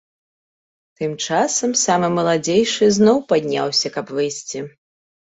Тым часам самы маладзейшы зноў падняўся, каб выйсці.